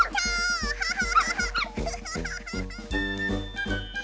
ハハハハ！